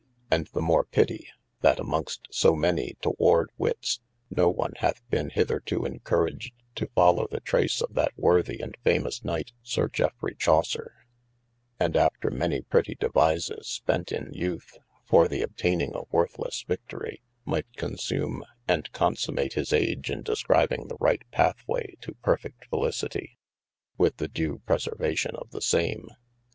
And the more pitie, that amongst so many toward wittes ne one hath bene hitherto encouraged to followe the trace of that worthy and famous knight Sir Geffrey Chaucer, and after many pretie devises spent in youth, for the obtayning a worthies victorie, might consume and consummate his age in discribing the right pathway to perfect felicitie, with the due preservation of the same.